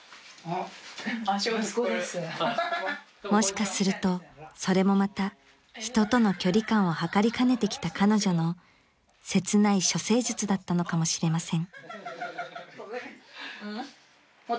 ［もしかするとそれもまた人との距離感を測りかねてきた彼女の切ない処世術だったのかもしれません］